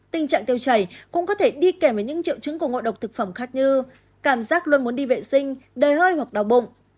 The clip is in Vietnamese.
tình trạng tiêu chảy cũng có thể đi kèm với những triệu chứng của ngộ độc thực phẩm khác như cảm giác luôn muốn đi vệ sinh đầy hơi hoặc đau bụng